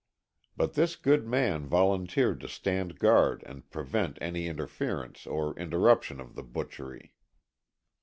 But this good man volunteered to stand guard and prevent any interference or interruption of the butchery.